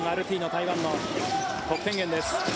台湾の得点源です。